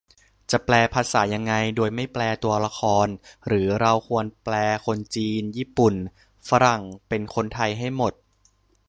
จะแปลภาษายังไง โดยไม่แปลตัวละคร - หรือเราควรแปลคนจีน ญี่ปุ่น ฝรั่ง เป็นคนไทยให้หมด ?